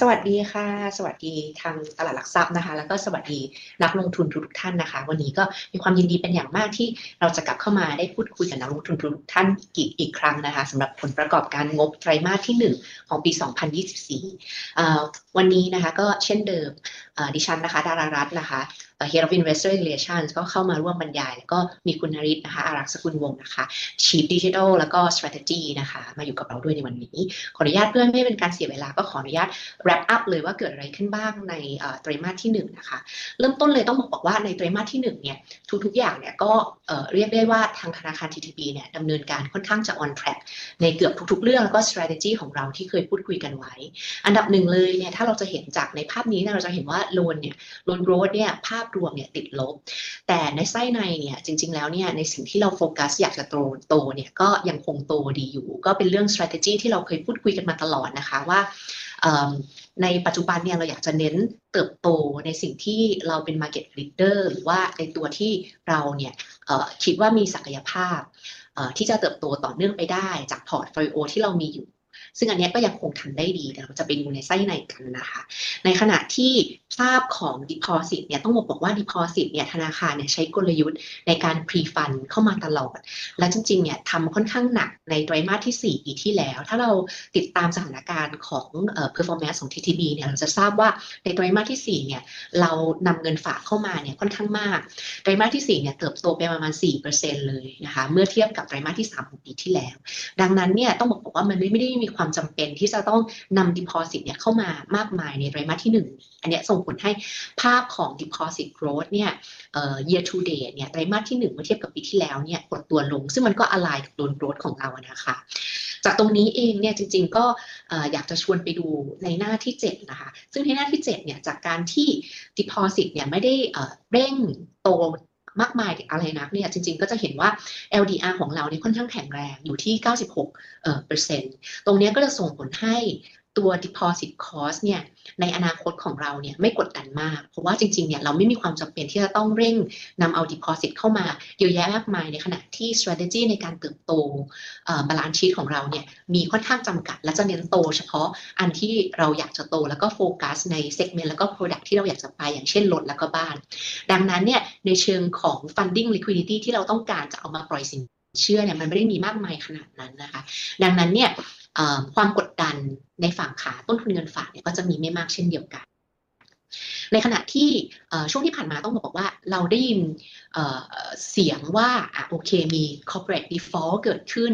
สวัสดีค่ะสวัสดีทางตลาดหลักทรัพย์นะคะแล้วก็สวัสดีนักลงทุนทุกๆท่านนะคะวันนี้ก็มีความยินดีเป็นอย่างมากที่เราจะกลับเข้ามาได้พูดคุยกับนักลงทุนทุกๆท่านอีกครั้งนะคะสำหรับผลประกอบการงบไตรมาสที่1ของปี2024วันนี้นะคะก็เช่นเดิมดิฉันนะคะดารารัตน์นะคะ Head of Investor Relations ก็เข้ามาร่วมบรรยายแล้วก็มีคุณนฤทธิ์นะคะอารักษ์สกุลวงศ์นะคะ Chief Digital แล้วก็ Strategy นะคะมาอยู่กับเราด้วยในวันนี้ขออนุญาตเพื่อไม่ให้เป็นการเสียเวลาก็ขออนุญาต Wrap Up เลยว่าเกิดอะไรขึ้นบ้างในไตรมาสที่1นะคะเริ่มต้นเลยต้องบอกว่าในไตรมาสที่1นี้ทุกๆอย่างนี้ก็เรียกได้ว่าทางธนาคาร TTB นี้ดำเนินการค่อนข้างจะ On Track ในเกือบทุกๆเรื่องแล้วก็ Strategy ของเราที่เคยพูดคุยกันไว้อันดับหนึ่งเลยนี้ถ้าเราจะเห็นจากในภาพนี้นี้เราจะเห็นว่า Loan นี้ Loan Growth นี้ภาพรวมนี้ติดลบแต่ในไส้ในนี้จริงๆแล้วนี้ในสิ่งที่เราโฟกัสอยากจะโตนี้ก็ยังคงโตดีอยู่ก็เป็นเรื่อง Strategy ที่เราเคยพูดคุยกันมาตลอดนะคะว่าในปัจจุบันนี้เราอยากจะเน้นเติบโตในสิ่งที่เราเป็น Market Leader หรือว่าไอ้ตัวที่เรานี้คิดว่ามีศักยภาพที่จะเติบโตต่อเนื่องไปได้จาก Portfolio ที่เรามีอยู่ซึ่งอันนี้ก็ยังคงทำได้ดีเดี๋ยวเราจะไปดูในไส้ในกันนะคะในขณะที่ภาพของ Deposit นี้ต้องบอกว่า Deposit นี้ธนาคารนี้ใช้กลยุทธ์ในการ Pre Fund เข้ามาตลอดแล้วจริงๆนี้ทำค่อนข้างหนักในไตรมาสที่4ปีที่แล้วถ้าเราติดตามสถานการณ์ของ Performance ของ TTB นี้เราจะทราบว่าในไตรมาสที่4นี้เรานำเงินฝากเข้ามานี้ค่อนข้างมากไตรมาสที่4นี้เติบโตไปประมาณ 4% เลยนะคะเมื่อเทียบกับไตรมาสที่3ของปีที่แล้วดังนั้นนี้ต้องบอกว่ามันไม่ได้มีความจำเป็นที่จะต้องนำ Deposit นี้เข้ามามากมายในไตรมาสที่1อันนี้ส่งผลให้ภาพของ Deposit Growth นี้ Year to Date นี้ไตรมาสที่1เมื่อเทียบกับปีที่แล้วนี้ปรับตัวลงซึ่งมันก็ Align กับ Loan Growth ของเราอะนะคะจากตรงนี้เองนี้จริงๆก็อยากจะชวนไปดูในหน้าที่7นะคะซึ่งในหน้าที่7นี้จากการที่ Deposit นี้ไม่ได้เร่งโตมากมายอะไรนักนี้จริงๆก็จะเห็นว่า LDR ของเรานี้ค่อนข้างแข็งแรงอยู่ที่ 96% ตรงนี้ก็จะส่งผลให้ตัว Deposit Cost นี้ในอนาคตของเรานี้ไม่กดดันมากเพราะว่าจริงๆนี้เราไม่มีความจำเป็นที่จะต้องเร่งนำเอา Deposit เข้ามาเยอะแยะมากมายในขณะที่ Strategy ในการเติบโต Balance Sheet ของเรานี้มีค่อนข้างจำกัดแล้วจะเน้นโตเฉพาะอันที่เราอยากจะโตแล้วก็โฟกัสใน Segment แล้วก็ Product ที่เราอยากจะไปอย่างเช่นรถแล้วก็บ้านดังนั้นนี้ในเชิงของ Funding Liquidity ที่เราต้องการจะเอามาปล่อยสินเชื่อนี้มันไม่ได้มีมากมายขนาดนั้นนะคะดังนั้นนี้ความกดดันในฝั่งขาต้นทุนเงินฝากนี้ก็จะมีไม่มากเช่นเดียวกันในขณะที่ช่วงที่ผ่านมาต้องบอกว่าเราได้ยินเสียงว่าโอเคมี Corporate Default เกิดขึ้น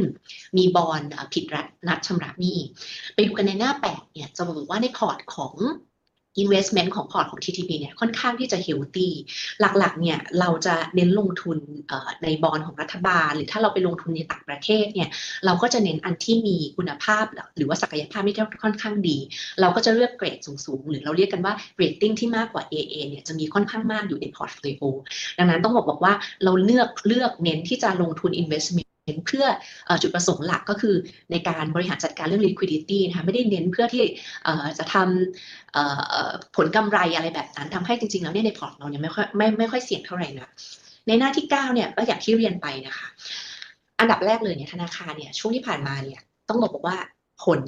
มี Bond ผิดนัดชำระหนี้ไปดูกันในหน้า8นี้จะบอกว่าในพอร์ตของ Investment ของพอร์ตของ TTB นี้ค่อนข้างที่จะ Healthy หลักๆนี้เราจะเน้นลงทุนใน Bond ของรัฐบาลหรือถ้าเราไปลงทุนในต่างประเทศนี้เราก็จะเน้นอันที่มีคุณภาพหรือว่าศักยภาพที่ค่อนข้างดีเราก็จะเลือกเกรดสูงๆหรือเราเรียกกันว่า Rating ที่มากกว่า AA นี้จะมีค่อนข้างมากอยู่ใน Portfolio ดังนั้นต้องบอกว่าเราเลือกเน้นที่จะลงทุน Investment เพื่อจุดประสงค์หลักก็คือในการบริหารจัดการเรื่อง Liquidity นะคะไม่ได้เน้นเพื่อที่จะทำผลกำไรอะไรแบบนั้นทำให้จริงๆแล้วนี้ในพอร์ตเรานี้ไม่ค่อยไม่ค่อยเสี่ยงเท่าไหร่นักในหน้าที่9นี้ก็อย่างที่เรียนไปนะคะอันดับแรกเลยนี้ธนาคารนี้ช่วงที่ผ่านมานี้ต้องบอกว่าผล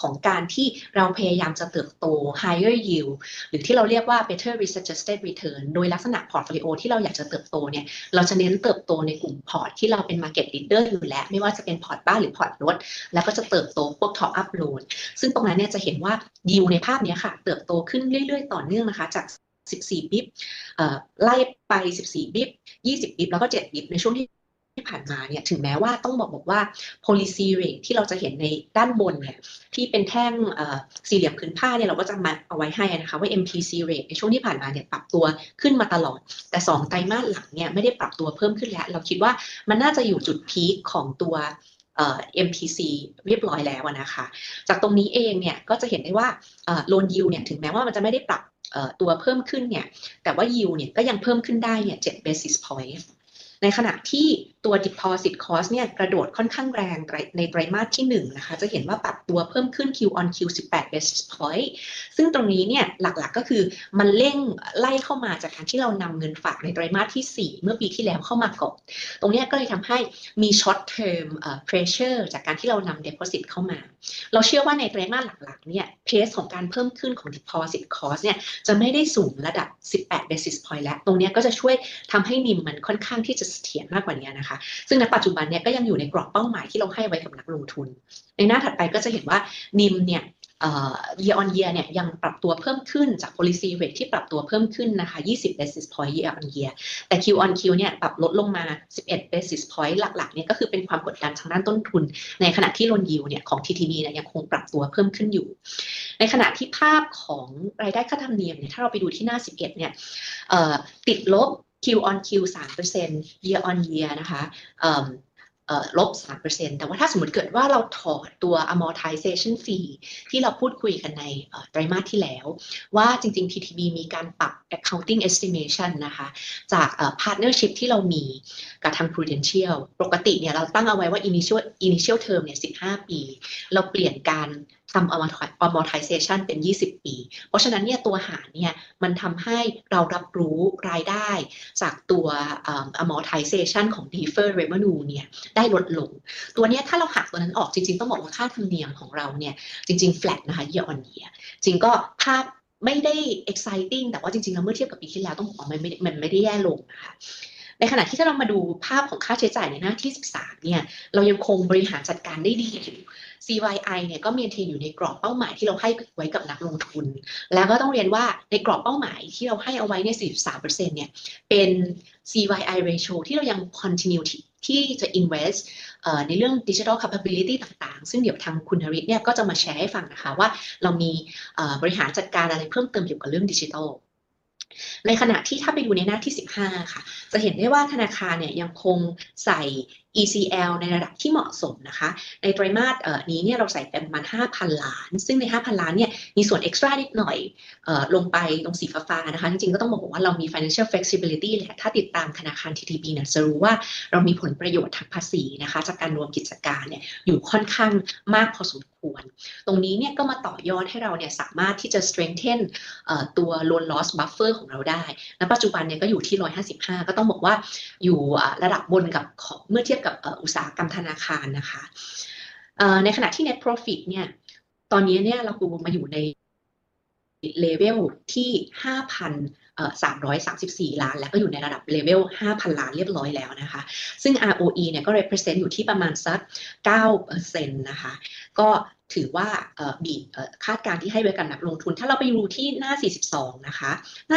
ของการที่เราพยายามจะเติบโต Higher Yield หรือที่เราเรียกว่า Better Suggested Return โดยลักษณะ Portfolio ที่เราอยากจะเติบโตนี้เราจะเน้นเติบโตในกลุ่มพอร์ตที่เราเป็น Market Leader อยู่แล้วไม่ว่าจะเป็นพอร์ตบ้านหรือพอร์ตรถแล้วก็จะเติบโตพวก Top Up Loan ซึ่งตรงนั้นนี้จะเห็นว่า Yield ในภาพนี้ค่ะเติบโตขึ้นเรื่อยๆต่อเนื่องนะคะจาก14 BIP ไล่ไป14 BIP 20 BIP แล้วก็7 BIP ในช่วงที่ผ่านมานี้ถึงแม้ว่าต้องบอกว่า Policy Rate ที่เราจะเห็นในด้านบนนี้ที่เป็นแท่งสี่เหลี่ยมผืนผ้านี้เราก็จะมาเอาไว้ให้อะนะคะว่า MPC Rate ในช่วงที่ผ่านมานี้ปรับตัวขึ้นมาตลอดแต่สองไตรมาสหลังนี้ไม่ได้ปรับตัวเพิ่มขึ้นแล้วเราคิดว่ามันน่าจะอยู่จุดพีคของตัว MPC เรียบร้อยแล้วอะนะคะจากตรงนี้เองนี้ก็จะเห็นได้ว่า Loan Yield นี้ถึงแม้ว่ามันจะไม่ได้ปรับตัวเพิ่มขึ้นนี้แต่ว่า Yield นี้ก็ยังเพิ่มขึ้นได้นี้7 Basis Points ในขณะที่ตัว Deposit Cost นี้กระโดดค่อนข้างแรงในไตรมาสที่1นะคะจะเห็นว่าปรับตัวเพิ่มขึ้น Q on Q 18 Basis Points ซึ่งตรงนี้นี้หลักๆก็คือมันเร่งไล่เข้ามาจากการที่เรานำเงินฝากในไตรมาสที่4เมื่อปีที่แล้วเข้ามาก่อนตรงนี้ก็เลยทำให้มี Short Term Pressure จากการที่เรานำ Deposit เข้ามาเราเชื่อว่าในไตรมาสหลักๆนี้ Pace ของการเพิ่มขึ้นของ Deposit Cost นี้จะไม่ได้สูงระดับ18 Basis Points แล้วตรงนี้ก็จะช่วยทำให้ NIM มันค่อนข้างที่จะเสถียรมากกว่านี้นะคะซึ่งณปัจจุบันนี้ก็ยังอยู่ในกรอบเป้าหมายที่เราให้ไว้กับนักลงทุนในหน้าถัดไปก็จะเห็นว่า NIM นี้ Year on Year นี้ยังปรับตัวเพิ่มขึ้นจาก Policy Rate ที่ปรับตัวเพิ่มขึ้นนะคะ20 Basis Points Year on Year แต่ Q on Q นี้ปรับลดลงมา11 Basis Points หลักๆนี้ก็คือเป็นความกดดันทางด้านต้นทุนในขณะที่ Loan Yield นี้ของ TTB นี้ยังคงปรับตัวเพิ่มขึ้นอยู่ในขณะที่ภาพของรายได้ค่าธรรมเนียมนี้ถ้าเราไปดูที่หน้า11นี้ติดลบ Q on Q 3% Year on Year นะคะลบ 3% แต่ว่าถ้าสมมุติเกิดว่าเราถอดตัว Amortization Fee ที่เราพูดคุยกันในไตรมาสที่แล้วว่าจริงๆ TTB มีการปรับ Accounting Estimation นะคะจาก Partnership ที่เรามีกับทาง Prudential ปกตินี้เราตั้งเอาไว้ว่า Initial Term นี้15ปีเราเปลี่ยนการทำ Amortization เป็น20ปีเพราะฉะนั้นนี้ตัวหารนี้มันทำให้เรารับรู้รายได้จากตัว Amortization ของ Deferred Revenue นี้ได้ลดลงตัวนี้ถ้าเราหักตัวนั้นออกจริงๆต้องบอกว่าค่าธรรมเนียมของเรานี้จริงๆ Flat นะคะ Year on Year จริงๆก็ภาพไม่ได้ Exciting แต่ว่าจริงๆแล้วเมื่อเทียบกับปีที่แล้วต้องบอกว่ามันไม่ได้แย่ลงนะคะในขณะที่ถ้าเรามาดูภาพของค่าใช้จ่ายในหน้าที่13นี้เรายังคงบริหารจัดการได้ดีอยู่ CYI นี้ก็ Maintain อยู่ในกรอบเป้าหมายที่เราให้ไว้กับนักลงทุนแล้วก็ต้องเรียนว่าในกรอบเป้าหมายที่เราให้เอาไว้นี้ 43% นี้เป็น CYI Ratio ที่เรายัง Continuity ที่จะ Invest ในเรื่อง Digital Capability ต่างๆซึ่งเดี๋ยวทางคุณนฤทธิ์นี้ก็จะมาแชร์ให้ฟังนะคะว่าเรามีบริหารจัดการอะไรเพิ่มเติมเกี่ยวกับเรื่องดิจิทัลในขณะที่ถ้าไปดูในหน้าที่15ค่ะจะเห็นได้ว่าธนาคารนี้ยังคงใส่ ECL ในระดับที่เหมาะสมนะคะในไตรมาสนี้นี้เราใส่ไปประมาณ฿ 5,000 ล้านซึ่งใน฿ 5,000 ล้านนี้มีส่วน Extra นิดหน่อยลงไปตรงสีฟ้าๆนะคะจริงๆก็ต้องบอกว่าเรามี Financial Flexibility แหละถ้าติดตามธนาคาร TTB นี้จะรู้ว่าเรามีผลประโยชน์ทางภาษีนะคะจากการรวมกิจการนี้อยู่ค่อนข้างมากพอสมควรตรงนี้นี้ก็มาต่อยอดให้เรานี้สามารถที่จะ Strengthen ตัว Loan Loss Buffer ของเราได้ณปัจจุบันนี้ก็อยู่ที่155ก็ต้องบอกว่าอยู่ระดับบนกับของเมื่อเทียบกับอุตสาหกรรมธนาคารนะคะในขณะที่ Net Profit นี้ตอนนี้นี้เรากลับมาอยู่ใน Level ที่฿ 5,334 ล้านแล้วก็อยู่ในระดับ Level ฿ 5,000 ล้านเรียบร้อยแล้วนะคะซึ่ง ROE นี้ก็ Represent อยู่ที่ประมาณสัก 9% นะคะก็ถือว่าบีบคาดการณ์ที่ให้ไว้กับนักลงทุนถ้าเราไปดูที่หน้า42นะคะหน้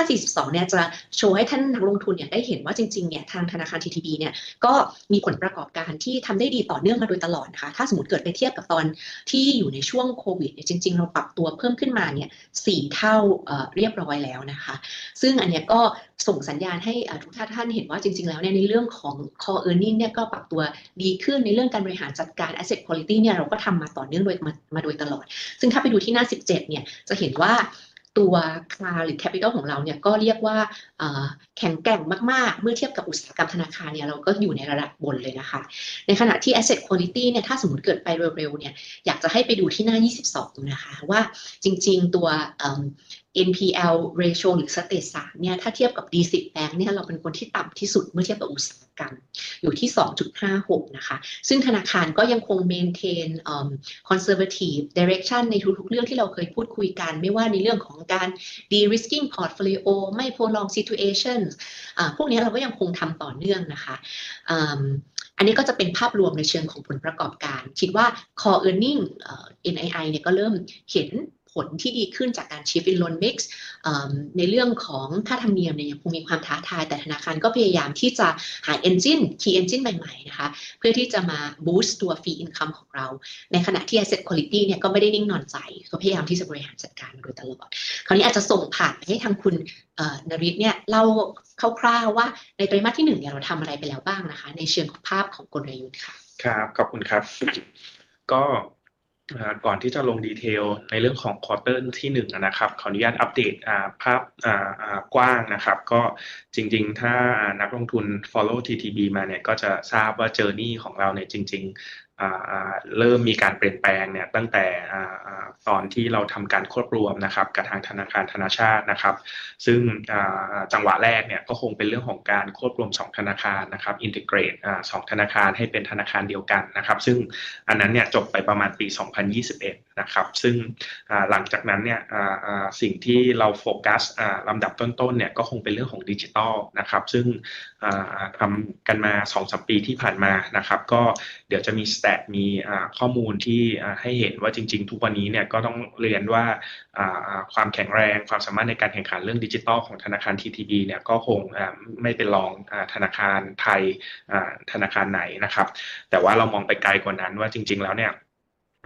า42นี้จะโชว์ให้ท่านนักลงทุนนี้ได้เห็นว่าจริงๆนี้ทางธนาคาร TTB นี้ก็มีผลประกอบการที่ทำได้ดีต่อเนื่องมาโดยตลอดนะคะถ้าสมมุติเกิดไปเทียบกับตอนที่อยู่ในช่วงโควิดนี้จริงๆเราปรับตัวเพิ่มขึ้นมานี้4เท่าเรียบร้อยแล้วนะคะซึ่งอันนี้ก็ส่งสัญญาณให้ทุกท่านเห็นว่าจริงๆแล้วนี้ในเรื่องของ Core Earning นี้ก็ปรับตัวดีขึ้นในเรื่องการบริหารจัดการ Asset Quality นี้เราก็ทำมาต่อเนื่องโดยมาโดยตลอดซึ่งถ้าไปดูที่หน้า17นี้จะเห็นว่าตัว Cloud หรือ Capital ของเรานี้ก็เรียกว่าแข็งแกร่งมากๆเมื่อเทียบกับอุตสาหกรรมธนาคารนี้เราก็อยู่ในระดับบนเลยนะคะในขณะที่ Asset Quality นี้ถ้าสมมุติเกิดไปเร็วๆนี้อยากจะให้ไปดูที่หน้า22ดูนะคะว่าจริงๆตัว NPL Ratio หรือ State 3นี้ถ้าเทียบกับ D10 Bank นี้เราเป็นคนที่ต่ำที่สุดเมื่อเทียบกับอุตสาหกรรมอยู่ที่ 2.56 นะคะซึ่งธนาคารก็ยังคง Maintain Conservative Direction ในทุกๆเรื่องที่เราเคยพูดคุยกันไม่ว่าในเรื่องของการ De-risking Portfolio ไม่ Prolong Situation พวกนี้เราก็ยังคงทำต่อเนื่องนะคะอันนี้ก็จะเป็นภาพรวมในเชิงของผลประกอบการคิดว่า Core Earning NII นี้ก็เริ่มเห็นผลที่ดีขึ้นจากการ Shift in Loan Mix ในเรื่องของค่าธรรมเนียมนี้ยังคงมีความท้าทายแต่ธนาคารก็พยายามที่จะหา Engine Key Engine ใหม่ๆนะคะเพื่อที่จะมา Boost ตัว Fee Income ของเราในขณะที่ Asset Quality นี้ก็ไม่ได้นิ่งนอนใจก็พยายามที่จะบริหารจัดการมาโดยตลอดคราวนี้อาจจะส่งผ่านไปให้ทางคุณนฤทธิ์นี้เล่าคร่าวๆว่าในไตรมาสที่1นี้เราทำอะไรไปแล้วบ้างนะคะในเชิงของภาพของกลยุทธ์ค่ะครับขอบคุณครับก็ก่อนที่จะลงดีเทลในเรื่องของ Quarter ที่1อะนะครับขออนุญาตอัปเดตภาพกว้างนะครับก็จริงๆถ้านักลงทุน Follow TTB มานี้ก็จะทราบว่า Journey ของเรานี้จริงๆเริ่มมีการเปลี่ยนแปลงนี้ตั้งแต่ตอนที่เราทำการควบรวมนะครับกับทางธนาคารธนชาตินะครับซึ่งจังหวะแรกนี้ก็คงเป็นเรื่องของการควบรวม2ธนาคารนะครับ Integrate 2ธนาคารให้เป็นธนาคารเดียวกันนะครับซึ่งอันนั้นนี้จบไปประมาณปี2021นะครับซึ่งหลังจากนั้นนี้สิ่งที่เราโฟกัสลำดับต้นๆนี้ก็คงเป็นเรื่องของดิจิทัลนะครับซึ่งทำกันมา 2-3 ปีที่ผ่านมานะครับก็เดี๋ยวจะมี Stat มีข้อมูลที่ให้เห็นว่าจริงๆทุกว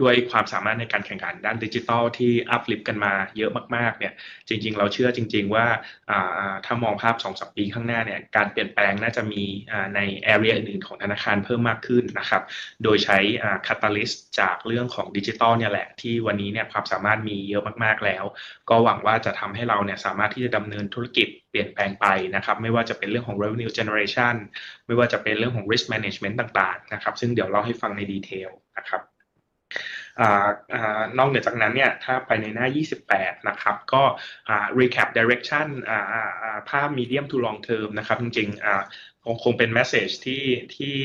ันนี้นี้ก็ต้องเรียนว่าความแข็งแรงความสามารถในการแข่งขันเรื่องดิจิทัลของธนาคาร TTB นี้ก็คงไม่เป็นรองธนาคารไทยธนาคารไหนนะครับแต่ว่าเรามองไปไกลกว่านั้นว่าจริงๆแล้วนี้ด้วยความสามารถในการแข่งขันด้านดิจิทัลที่อัพลิฟต์กันมาเยอะมากๆนี้จริงๆเราเชื่อจริงๆว่าถ้ามองภาพ 2-3 ปีข้างหน้านี้การเปลี่ยนแปลงน่าจะมีใน Area อื่นๆของธนาคารเพิ่มมากขึ้นนะครับโดยใช้ Catalyst จากเรื่องของดิจิทัลนี้แหละที่วันนี้นี้ความสามารถมีเยอะมากๆแล้วก็หวังว่าจะทำให้เรานี้สามารถที่จะดำเนินธุรกิจเปลี่ยนแปลงไปนะครับไม่ว่าจะเป็นเรื่องของ Revenue Generation ไม่ว่าจะเป็นเรื่องของ Risk Management ต่างๆนะครับซึ่งเดี๋ยวเล่าให้ฟังในดีเทลนะครับนอกเหนือจากนั้นนี้ถ้าไปในหน้า28นะครับก็ Recap Direction ภาพ Medium to Long Term นะครับจริงๆคงคงเป็น Message ที่ที่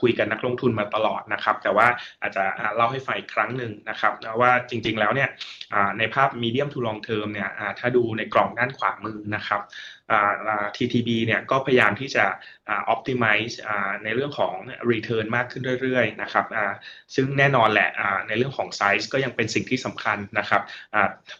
คุยกับนักลงทุนมาตลอดนะครับแต่ว่าอาจจะเล่าให้ฟังอีกครั้งนึงนะครับนะว่าจริงๆแล้วนี้ในภาพ Medium to Long Term นี้ถ้าดูในกล่องด้านขวามือนะครับ TTB นี้ก็พยายามที่จะ Optimize ในเรื่องของ Return มากขึ้นเรื่อยๆนะครับซึ่งแน่นอนแหละในเรื่องของ Size ก็ยังเป็นสิ่งที่สำคัญนะครับ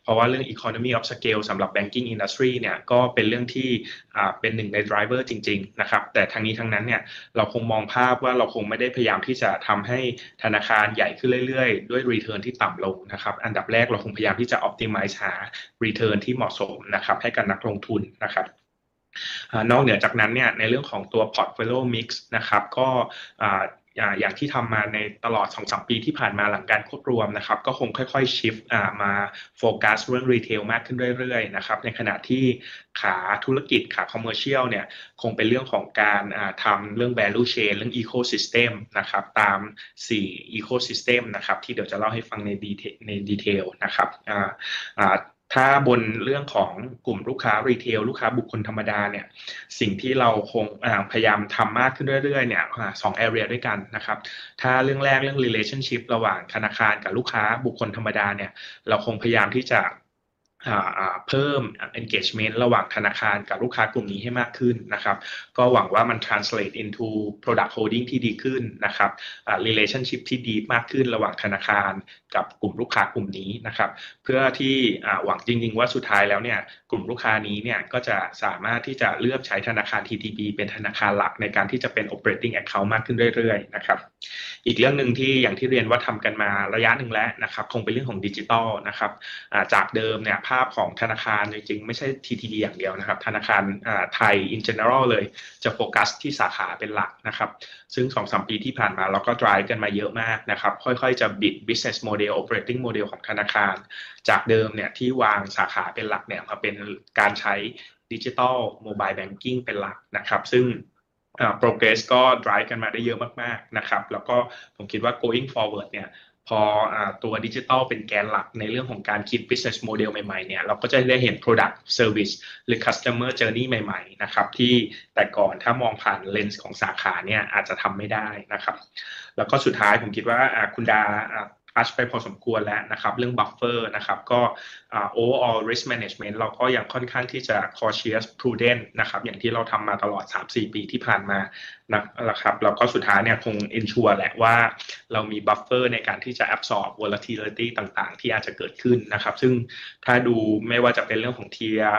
เพราะว่าเรื่อง Economy of Scale สำหรับ Banking Industry นี้ก็เป็นเรื่องที่เป็นหนึ่งใน Driver จริงๆนะครับแต่ทั้งนี้ทั้งนั้นนี้เราคงมองภาพว่าเราคงไม่ได้พยายามที่จะทำให้ธนาคารใหญ่ขึ้นเรื่อยๆด้วย Return ที่ต่ำลงนะครับอันดับแรกเราคงพยายามที่จะ Optimize หา Return ที่เหมาะสมนะครับให้กับนักลงทุนนะครับนอกเหนือจากนั้นนี้ในเรื่องของตัว Portfolio Mix นะครับก็อย่างที่ทำมาในตลอด 2-3 ปีที่ผ่านมาหลังการควบรวมนะครับก็คงค่อยๆ Shift มาโฟกัสเรื่อง Retail มากขึ้นเรื่อยๆนะครับในขณะที่ขาธุรกิจขา Commercial นี้คงเป็นเรื่องของการทำเรื่อง Value Chain เรื่อง Ecosystem นะครับตาม4 Ecosystem นะครับที่เดี๋ยวจะเล่าให้ฟังในดีในดีเทลนะครับถ้าบนเรื่องของกลุ่มลูกค้า Retail ลูกค้าบุคคลธรรมดานี้สิ่งที่เราคงพยายามทำมากขึ้นเรื่อยๆนี้2 Area ด้วยกันนะครับถ้าเรื่องแรกเรื่อง Relationship ระหว่างธนาคารกับลูกค้าบุคคลธรรมดานี้เราคงพยายามที่จะเพิ่ม Engagement ระหว่างธนาคารกับลูกค้ากลุ่มนี้ให้มากขึ้นนะครับก็หวังว่ามัน Translate into Product Holding ที่ดีขึ้นนะครับ Relationship ที่ Deep มากขึ้นระหว่างธนาคารกับกลุ่มลูกค้ากลุ่มนี้นะครับเพื่อที่หวังจริงๆว่าสุดท้ายแล้วนี้กลุ่มลูกค้านี้นี้ก็จะสามารถที่จะเลือกใช้ธนาคาร TTB เป็นธนาคารหลักในการที่จะเป็น Operating Account มากขึ้นเรื่อยๆนะครับอีกเรื่องนึงที่อย่างที่เรียนว่าทำกันมาระยะนึงแล้วนะครับคงเป็นเรื่องของดิจิทัลนะครับจากเดิมนี้ภาพของธนาคารจริงๆไม่ใช่ TTB อย่างเดียวนะครับธนาคารไทย in General เลยจะโฟกัสที่สาขาเป็นหลักนะครับซึ่ง 2-3 ปีที่ผ่านมาเราก็ Drive กันมาเยอะมากนะครับค่อยๆจะบิด Business Model Operating Model ของธนาคารจากเดิมนี้ที่วางสาขาเป็นหลักนี้มาเป็นการใช้ Digital Mobile Banking เป็นหลักนะครับซึ่ง Progress ก็ Drive กันมาได้เยอะมากๆนะครับแล้วก็ผมคิดว่า Going Forward นี้พอตัวดิจิทัลเป็นแกนหลักในเรื่องของการคิด Business Model ใหม่ๆนี้เราก็จะได้เห็น Product Service หรือ Customer Journey ใหม่ๆนะครับที่แต่ก่อนถ้ามองผ่านเลนส์ของสาขานี้อาจจะทำไม่ได้นะครับแล้วก็สุดท้ายผมคิดว่าคุณดา Touch ไปพอสมควรแล้วนะครับเรื่อง Buffer นะครับก็ Overall Risk Management เราก็ยังค่อนข้างที่จะ Cautious Prudent นะครับอย่างที่เราทำมาตลอด 3-4 ปีที่ผ่านมานะนะครับแล้วก็สุดท้ายนี้คง Ensure แหละว่าเรามี Buffer ในการที่จะ Absorb Volatility ต่างๆที่อาจจะเกิดขึ้นนะครับซึ่งถ้าดูไม่ว่าจะเป็นเรื่องของ Tier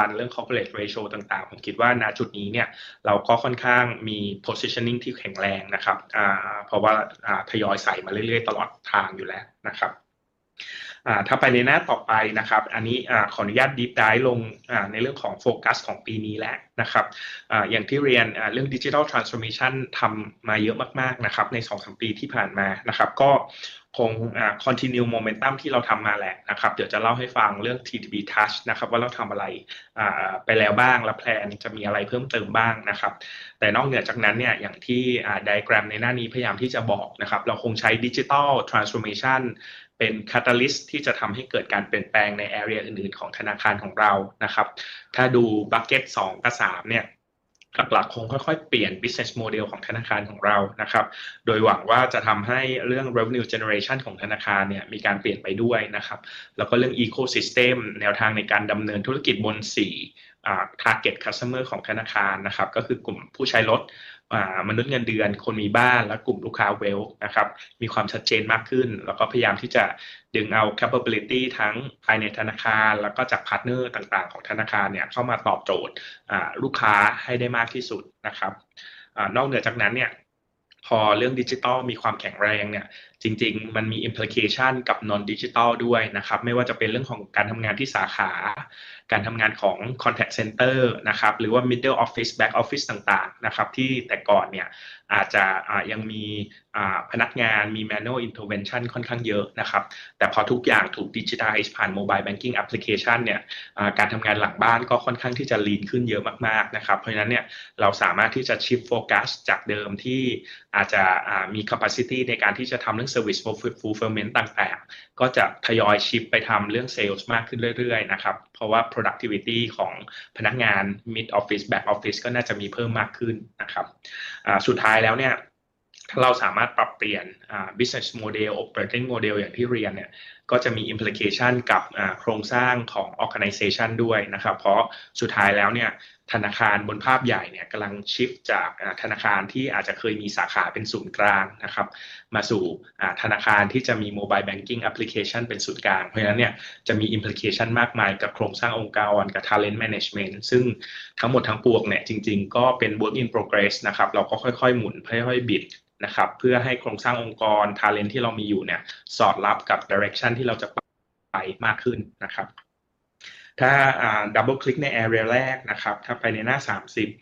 One เรื่อง Corporate Ratio ต่างๆผมคิดว่าณจุดนี้นี้เราก็ค่อนข้างมี Positioning ที่แข็งแรงนะครับเพราะว่าทยอยใส่มาเรื่อยๆตลอดทางอยู่แล้วนะครับถ้าไปในหน้าต่อไปนะครับอันนี้ขออนุญาต Deep Dive ลงในเรื่องของโฟกัสของปีนี้และนะครับอย่างที่เรียนเรื่อง Digital Transformation ทำมาเยอะมากๆนะครับใน 2-3 ปีที่ผ่านมานะครับก็คง Continue Momentum ที่เราทำมาแหละนะครับเดี๋ยวจะเล่าให้ฟังเรื่อง TTB Touch นะครับว่าเราทำอะไรไปแล้วบ้างและแพลนจะมีอะไรเพิ่มเติมบ้างนะครับแต่นอกเหนือจากนั้นนี้อย่างที่ Diagram ในหน้านี้พยายามที่จะบอกนะครับเราคงใช้ Digital Transformation เป็น Catalyst ที่จะทำให้เกิดการเปลี่ยนแปลงใน Area อื่นๆของธนาคารของเรานะครับถ้าดู Bucket 2กับ3นี้หลักๆคงค่อยๆเปลี่ยน Business Model ของธนาคารของเรานะครับโดยหวังว่าจะทำให้เรื่อง Revenue Generation ของธนาคารนี้มีการเปลี่ยนไปด้วยนะครับแล้วก็เรื่อง Ecosystem แนวทางในการดำเนินธุรกิจบน4 Target Customer ของธนาคารนะครับก็คือกลุ่มผู้ใช้รถมนุษย์เงินเดือนคนมีบ้านและกลุ่มลูกค้า Wealth นะครับมีความชัดเจนมากขึ้นแล้วก็พยายามที่จะดึงเอา Capability ทั้งภายในธนาคารแล้วก็จากพาร์ทเนอร์ต่างๆของธนาคารนี้เข้ามาตอบโจทย์ลูกค้าให้ได้มากที่สุดนะครับนอกเหนือจากนั้นนี้พอเรื่องดิจิทัลมีความแข็งแรงนี้จริงๆมันมี Implication กับ Non-Digital ด้วยนะครับไม่ว่าจะเป็นเรื่องของการทำงานที่สาขาการทำงานของ Contact Center นะครับหรือว่า Middle Office Back Office ต่างๆนะครับที่แต่ก่อนนี้อาจจะยังมีพนักงานมี Manual Intervention ค่อนข้างเยอะนะครับแต่พอทุกอย่างถูก Digitize ผ่าน Mobile Banking Application นี้การทำงานหลังบ้านก็ค่อนข้างที่จะ Lean ขึ้นเยอะมากๆนะครับเพราะฉะนั้นนี้เราสามารถที่จะ Shift Focus จากเดิมที่อาจจะมี Capacity ในการที่จะทำเรื่อง Service Fulfillment ต่างๆก็จะทยอย Shift ไปทำเรื่อง Sales มากขึ้นเรื่อยๆนะครับเพราะว่า Productivity ของพนักงาน Mid Office Back Office ก็น่าจะมีเพิ่มมากขึ้นนะครับสุดท้ายแล้วนี้ถ้าเราสามารถปรับเปลี่ยน Business Model Operating Model อย่างที่เรียนนี้ก็จะมี Implication กับโครงสร้างของ Organization ด้วยนะครับเพราะสุดท้ายแล้วนี้ธนาคารบนภาพใหญ่นี้กำลัง Shift จากธนาคารที่อาจจะเคยมีสาขาเป็นศูนย์กลางนะครับมาสู่ธนาคารที่จะมี Mobile Banking Application เป็นศูนย์กลางเพราะฉะนั้นนี้จะมี Implication มากมายกับโครงสร้างองค์กรกับ Talent Management ซึ่งทั้งหมดทั้งปวงนี้จริงๆก็เป็น Work in Progress นะครับเราก็ค่อยๆหมุนค่อยๆบิดนะครับเพื่อให้โครงสร้างองค์กร Talent ที่เรามีอยู่นี้สอดรับกับ Direction ที่เราจะไปมากขึ้นนะครับถ้า Double Click ใน Area แรกนะครับถ้าไปในหน้า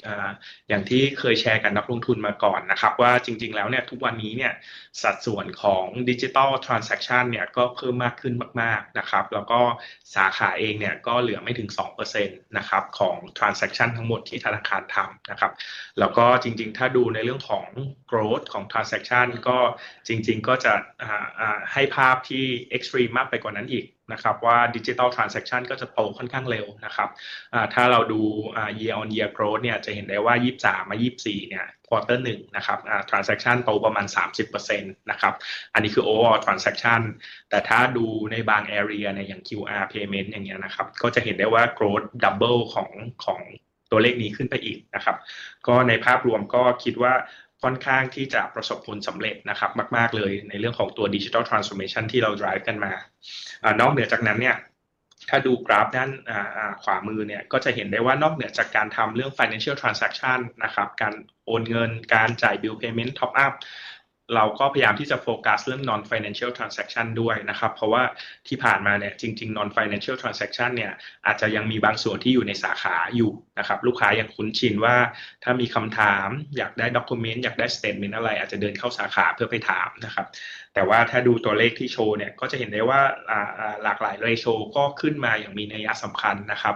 30อย่างที่เคยแชร์กับนักลงทุนมาก่อนนะครับว่าจริงๆแล้วนี้ทุกวันนี้นี้สัดส่วนของ Digital Transaction นี้ก็เพิ่มมากขึ้นมากๆนะครับแล้วก็สาขาเองนี้ก็เหลือไม่ถึง 2% นะครับของ Transaction ทั้งหมดที่ธนาคารทำนะครับแล้วก็จริงๆถ้าดูในเรื่องของ Growth ของ Transaction ก็จริงๆก็จะให้ภาพที่ Extreme มากไปกว่านั้นอีกนะครับว่า Digital Transaction ก็จะโตค่อนข้างเร็วนะครับถ้าเราดู Year on Year Growth นี้จะเห็นได้ว่า23มา24นี้ Quarter 1นะครับ Transaction โตประมาณ 30% นะครับอันนี้คือ Overall Transaction แต่ถ้าดูในบาง Area นี้อย่าง QR Payment อย่างเงี้ยนะครับก็จะเห็นได้ว่า Growth Double ของของตัวเลขนี้ขึ้นไปอีกนะครับก็ในภาพรวมก็คิดว่าค่อนข้างที่จะประสบผลสำเร็จนะครับมากๆเลยในเรื่องของตัว Digital Transformation ที่เรา Drive กันมานอกเหนือจากนั้นนี้ถ้าดูกราฟด้านขวามือนี้ก็จะเห็นได้ว่านอกเหนือจากการทำเรื่อง Financial Transaction นะครับการโอนเงินการจ่าย Bill Payment Top Up เราก็พยายามที่จะโฟกัสเรื่อง Non-Financial Transaction ด้วยนะครับเพราะว่าที่ผ่านมานี้จริงๆ Non-Financial Transaction นี้อาจจะยังมีบางส่วนที่อยู่ในสาขาอยู่นะครับลูกค้ายังคุ้นชินว่าถ้ามีคำถามอยากได้ Document อยากได้ Statement อะไรอาจจะเดินเข้าสาขาเพื่อไปถามนะครับแต่ว่าถ้าดูตัวเลขที่โชว์นี้ก็จะเห็นได้ว่าหลากหลาย Ratio ก็ขึ้นมาอย่างมีนัยยะสำคัญนะครับ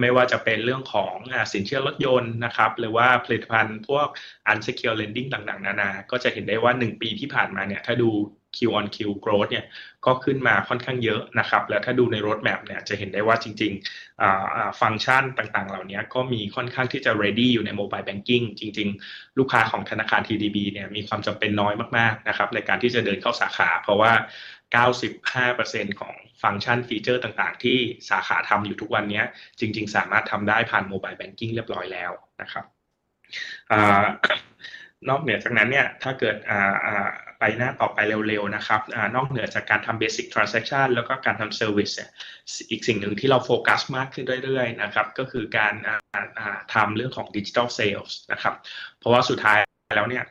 ไม่ว่าจะเป็นเรื่องของสินเชื่อรถยนต์นะครับหรือว่าผลิตภัณฑ์พวก Unsecure Lending ต่างๆนานาก็จะเห็นได้ว่า1ปีที่ผ่านมานี้ถ้าดู Q on Q Growth นี้ก็ขึ้นมาค่อนข้างเยอะนะครับแล้วถ้าดูใน Road Map นี้จะเห็นได้ว่าจริงๆฟังก์ชันต่างๆเหล่าเนี้ยก็มีค่อนข้างที่จะ Ready อยู่ใน Mobile Banking จริงๆลูกค้าของธนาคาร TDB นี้มีความจำเป็นน้อยมากๆนะครับในการที่จะเดินเข้าสาขาเพราะว่า 95% ของฟังก์ชันฟีเจอร์ต่างๆที่สาขาทำอยู่ทุกวันเนี้ยจริงๆสามารถทำได้ผ่าน Mobile Banking เรียบร้อยแล้วนะครับนอกเหนือจากนั้นนี้ถ้าเกิดไปหน้าต่อไปเร็วๆนะครับนอกเหนือจากการทำ Basic Transaction แล้วก็การทำ Service นี้อีกสิ่งนึงที่เราโฟกัสมากขึ้นเรื่อยๆนะครับก็คือการทำเรื่องของ Digital Sales นะครับเพราะว่าสุดท้ายแล้วนี้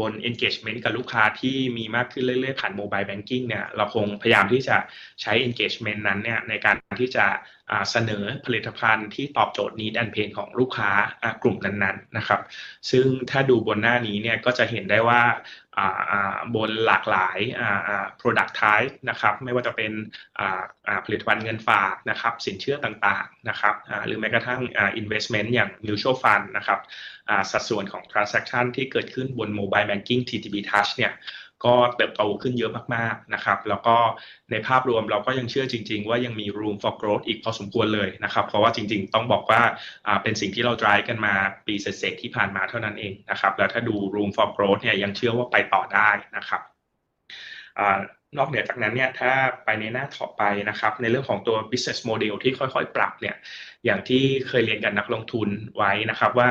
บน Engagement กับลูกค้าที่มีมากขึ้นเรื่อยๆผ่าน Mobile Banking นี้เราคงพยายามที่จะใช้ Engagement นั้นนี้ในการที่จะเสนอผลิตภัณฑ์ที่ตอบโจทย์ Need and Pain ของลูกค้ากลุ่มนั้นๆนะครับซึ่งถ้าดูบนหน้านี้นี้ก็จะเห็นได้ว่าบนหลากหลาย Product Type นะครับไม่ว่าจะเป็นผลิตภัณฑ์เงินฝากนะครับสินเชื่อต่างๆนะครับหรือแม้กระทั่ง Investment อย่าง Mutual Fund นะครับสัดส่วนของ Transaction ที่เกิดขึ้นบน Mobile Banking TTB Touch นี้ก็เติบโตขึ้นเยอะมากๆนะครับแล้วก็ในภาพรวมเราก็ยังเชื่อจริงๆว่ายังมี Room for Growth อีกพอสมควรเลยนะครับเพราะว่าจริงๆต้องบอกว่าเป็นสิ่งที่เรา Drive กันมาปีเศษๆที่ผ่านมาเท่านั้นเองนะครับแล้วถ้าดู Room for Growth นี้ยังเชื่อว่าไปต่อได้นะครับนอกเหนือจากนั้นนี้ถ้าไปในหน้าต่อไปนะครับในเรื่องของตัว Business Model ที่ค่อยๆปรับนี้อย่างที่เคยเรียนกับนักลงทุนไว้นะครับว่า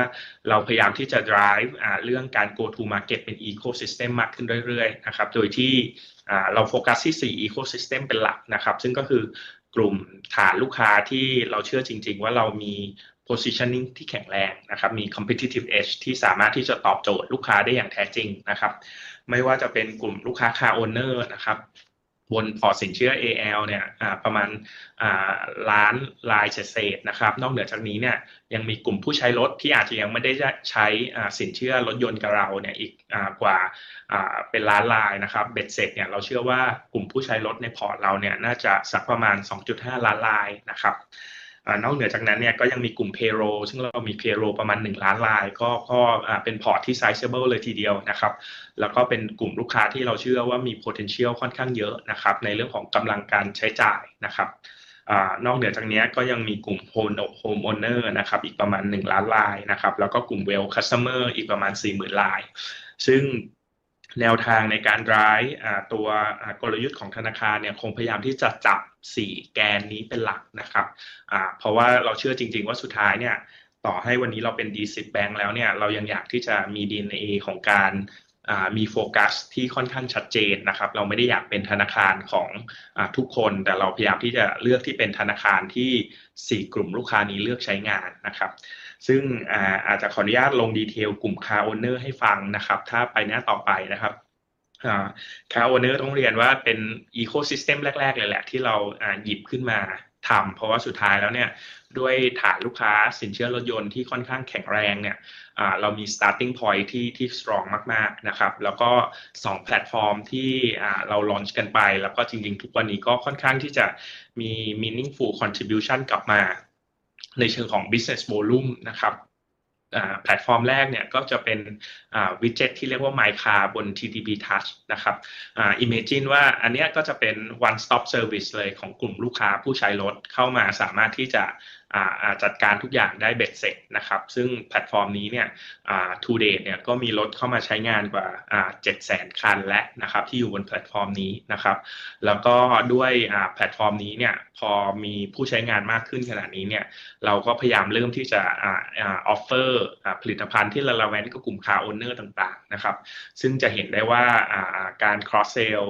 เราพยายามที่จะ Drive เรื่องการ Go to Market เป็น Ecosystem มากขึ้นเรื่อยๆนะครับโดยที่เราโฟกัสที่4 Ecosystem เป็นหลักนะครับซึ่งก็คือกลุ่มฐานลูกค้าที่เราเชื่อจริงๆว่าเรามี Positioning ที่แข็งแรงนะครับมี Competitive Edge ที่สามารถที่จะตอบโจทย์ลูกค้าได้อย่างแท้จริงนะครับไม่ว่าจะเป็นกลุ่มลูกค้า Car Owner นะครับบนพอร์ตสินเชื่อ AL นี้ประมาณล้านรายเศษๆนะครับนอกเหนือจากนี้นี้ยังมีกลุ่มผู้ใช้รถที่อาจจะยังไม่ได้ใช้สินเชื่อรถยนต์กับเรานี้อีกกว่าเป็นล้านรายนะครับเบ็ดเสร็จนี้เราเชื่อว่ากลุ่มผู้ใช้รถในพอร์ตเรานี้น่าจะสักประมาณ 2.5 ล้านรายนะครับนอกเหนือจากนั้นนี้ก็ยังมีกลุ่ม Payroll ซึ่งเรามี Payroll ประมาณ1ล้านรายก็ก็เป็นพอร์ตที่ Sizable เลยทีเดียวนะครับแล้วก็เป็นกลุ่มลูกค้าที่เราเชื่อว่ามี Potential ค่อนข้างเยอะนะครับในเรื่องของกำลังการใช้จ่ายนะครับนอกเหนือจากเนี้ยก็ยังมีกลุ่ม Home Owner นะครับอีกประมาณ1ล้านรายนะครับแล้วก็กลุ่ม Wealth Customer อีกประมาณ 40,000 รายซึ่งแนวทางในการ Drive ตัวกลยุทธ์ของธนาคารนี้คงพยายามที่จะจับ4แกนนี้เป็นหลักนะครับเพราะว่าเราเชื่อจริงๆว่าสุดท้ายนี้ต่อให้วันนี้เราเป็น DC Bank แล้วนี้เรายังอยากที่จะมี DNA ของการมีโฟกัสที่ค่อนข้างชัดเจนนะครับเราไม่ได้อยากเป็นธนาคารของทุกคนแต่เราพยายามที่จะเลือกที่เป็นธนาคารที่4กลุ่มลูกค้านี้เลือกใช้งานนะครับซึ่งอาจจะขออนุญาตลงดีเทลกลุ่ม Car Owner ให้ฟังนะครับถ้าไปหน้าต่อไปนะครับ Car Owner ต้องเรียนว่าเป็น Ecosystem แรกๆเลยแหละที่เราหยิบขึ้นมาทำเพราะว่าสุดท้ายแล้วนี้ด้วยฐานลูกค้าสินเชื่อรถยนต์ที่ค่อนข้างแข็งแรงนี้เรามี Starting Point ที่ที่ Strong มากๆนะครับแล้วก็2แพลตฟอร์มที่เรา Launch กันไปแล้วก็จริงๆทุกวันนี้ก็ค่อนข้างที่จะมี Meaningful Contribution กลับมาในเชิงของ Business Volume นะครับแพลตฟอร์มแรกนี้ก็จะเป็น Widget ที่เรียกว่า My Car บน TTB Touch นะครับ Imagine ว่าอันเนี้ยก็จะเป็น One Stop Service เลยของกลุ่มลูกค้าผู้ใช้รถเข้ามาสามารถที่จะจัดการทุกอย่างได้เบ็ดเสร็จนะครับซึ่งแพลตฟอร์มนี้นี้ Today นี้ก็มีรถเข้ามาใช้งานกว่า 700,000 คันและนะครับที่อยู่บนแพลตฟอร์มนี้นะครับแล้วก็ด้วยแพลตฟอร์มนี้นี้พอมีผู้ใช้งานมากขึ้นขนาดนี้นี้เราก็พยายามเริ่มที่จะ Offer ผลิตภัณฑ์ที่ Relevant กับกลุ่ม Car Owner ต่างๆนะครับซึ่งจะเห็นได้ว่าการ Cross Sale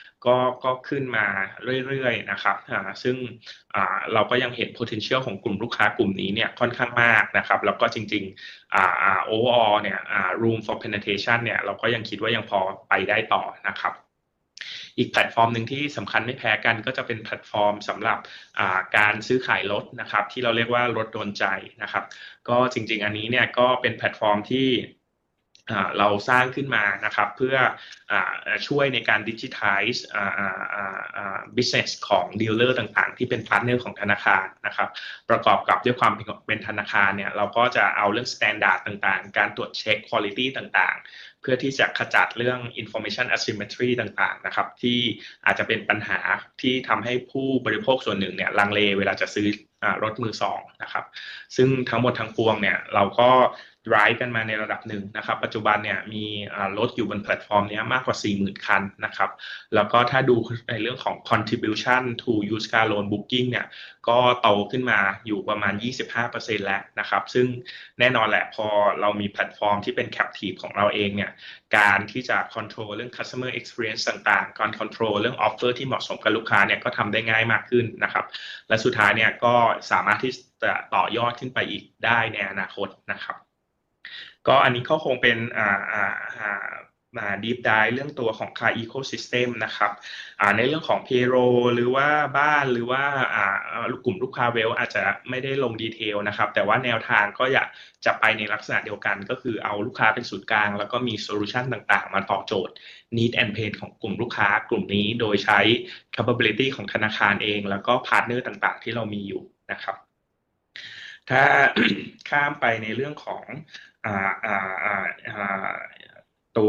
ผลิตภัณฑ์อย่าง Motor Insurance นะครับหรือว่าตัว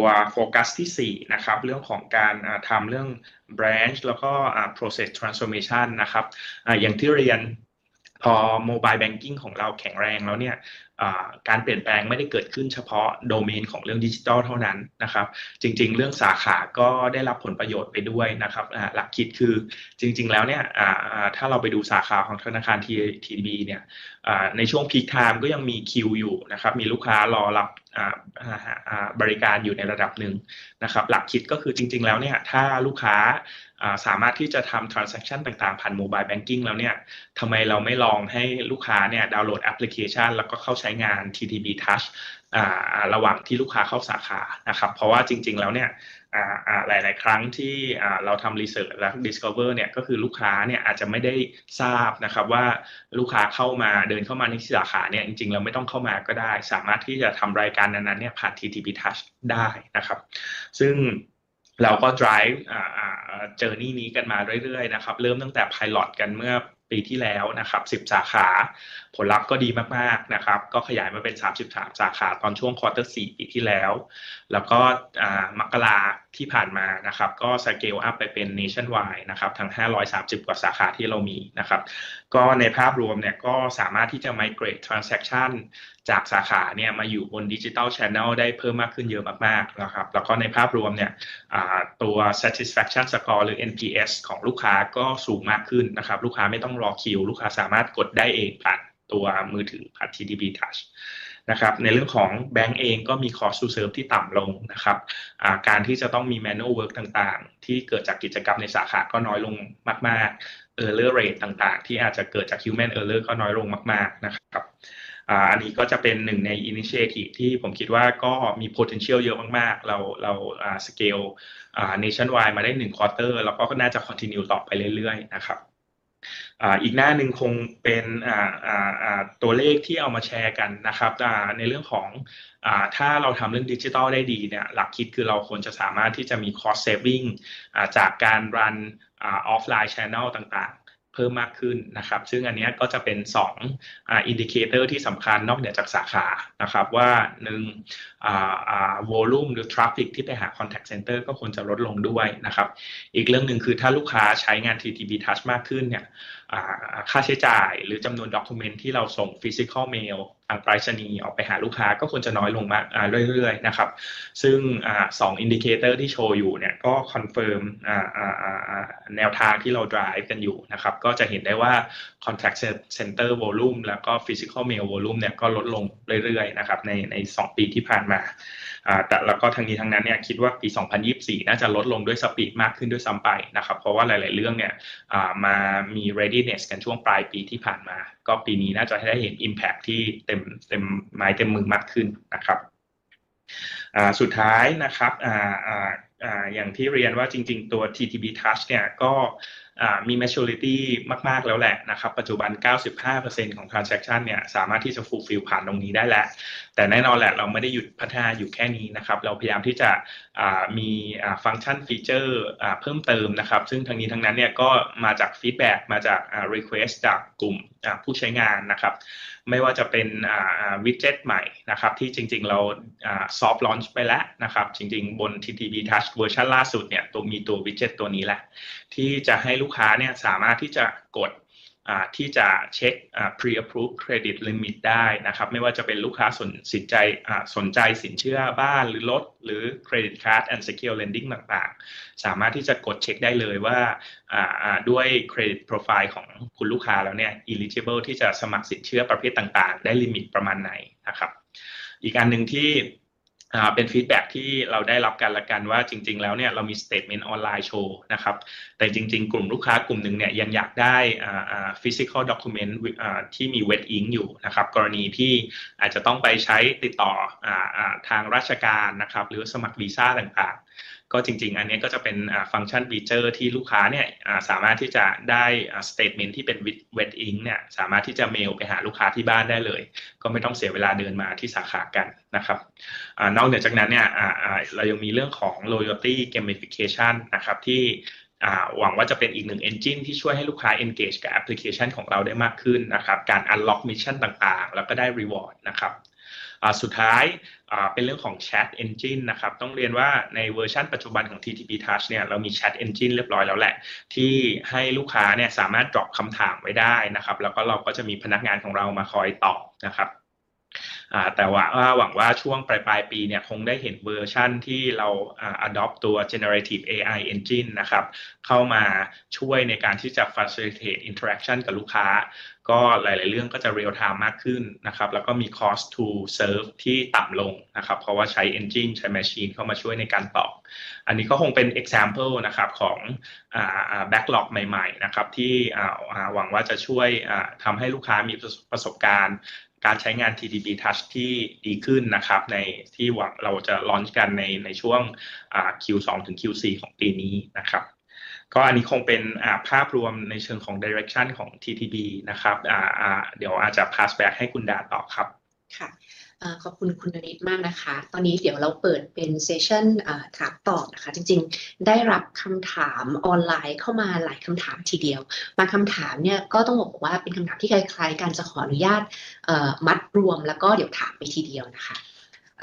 CYC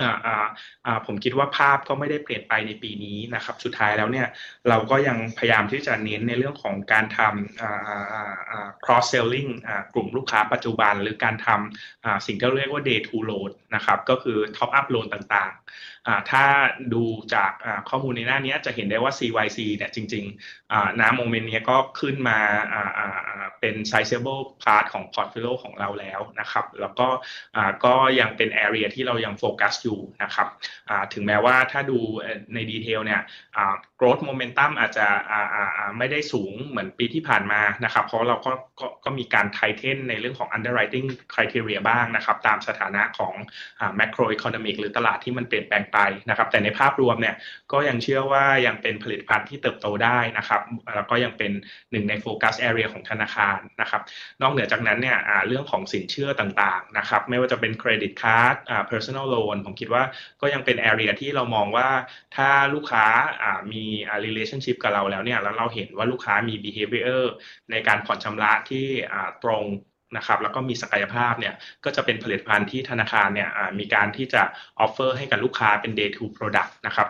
Top Up ก็ก็ขึ้นมาเรื่อยๆนะครับ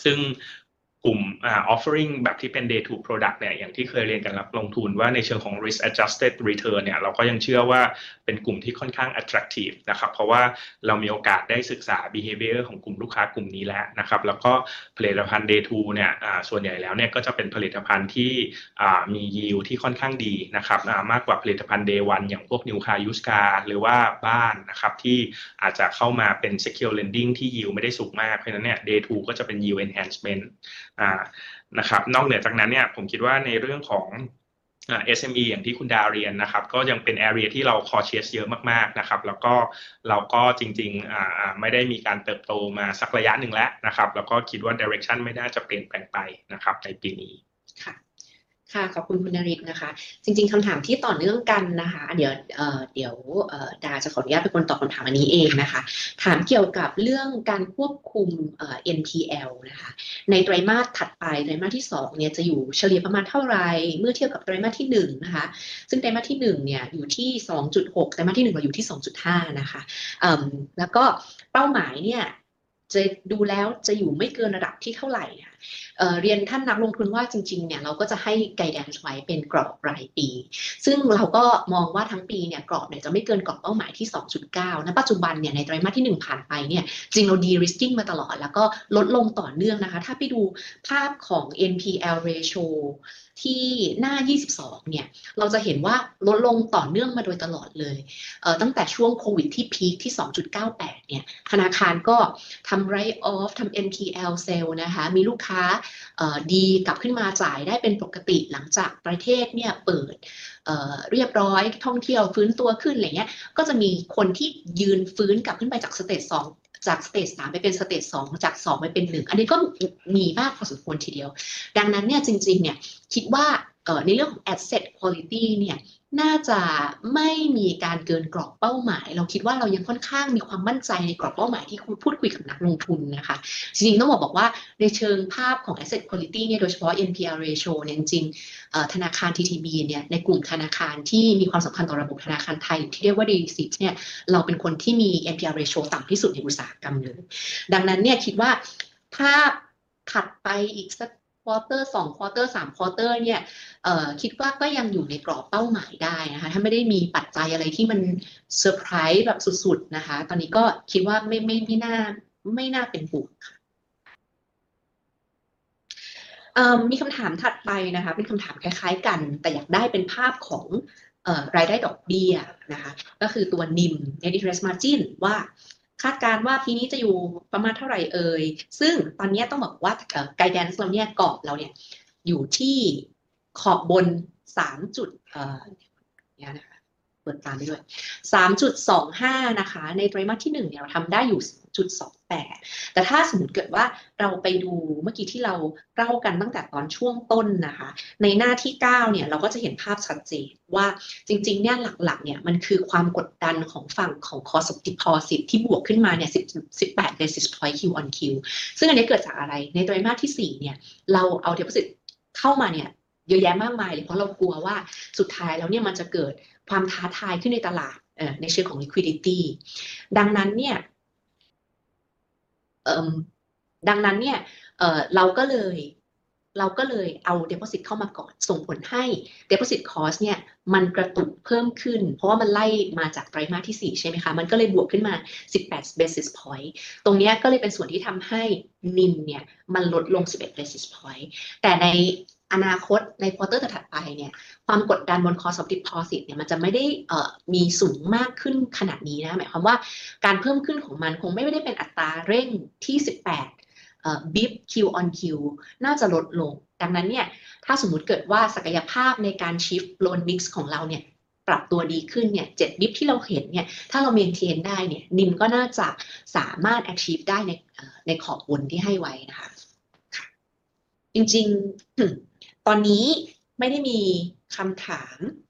ซึ่งเราก็ยังเห็น Potential ของกลุ่มลูกค้ากลุ่มนี้นี้ค่อนข้างมากนะครับแล้วก็จริงๆ Overall นี้ Room for Penetration นี้เราก็ยังคิดว่ายังพอไปได้ต่อนะครับอีกแพลตฟอร์มนึงที่สำคัญไม่แพ้กันก็จะเป็นแพลตฟอร์มสำหรับการซื้อขายรถนะครับที่เราเรียกว่ารถโดนใจนะครับก็จริงๆอันนี้นี้ก็เป็นแพลตฟอร์มที่เราสร้างขึ้นมานะครับเพื่อช่วยในการ Digitize Business ของ Dealer ต่างๆที่เป็นพาร์ทเนอร์ของธนาคารนะครับประกอบกับด้วยความเป็นธนาคารนี้เราก็จะเอาเรื่อง Standard ต่างๆการตรวจเช็ค Quality ต่างๆเพื่อที่จะขจัดเรื่อง Information Asymmetry ต่างๆนะครับที่อาจจะเป็นปัญหาที่ทำให้ผู้บริโภคส่วนหนึ่งนี้ลังเลเวลาจะซื้อรถมือสองนะครับซึ่งทั้งหมดทั้งปวงนี้เราก็ Drive กันมาในระดับนึงนะครับปัจจุบันนี้มีรถอยู่บนแพลตฟอร์มเนี้ยมากบริการอยู่ในระดับนึงนะครับหลักคิดก็คือจริงๆแล้วนี้ถ้าลูกค้าสามารถที่จะทำ Transaction ต่างๆผ่าน Mobile Banking แล้วนี้ทำไมเราไม่ลองให้ลูกค้านี้ดาวน์โหลดแอปพลิเคชันแล้วก็เข้าใช้งาน TTB Touch ระหว่างที่ลูกค้าเข้าสาขานะครับเพราะว่าจริงๆแล้วนี้หลายๆครั้งที่เราทำรีเสิร์ชและ Discover นี้ก็คือลูกค้านี้อาจจะไม่ได้ทราบนะครับว่าลูกค้าเข้ามาเดินเข้ามาในสาขานี้จริงๆแล้วไม่ต้องเข้ามาก็ได้สามารถที่จะทำรายการนั้นๆนี้